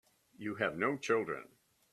You have no children.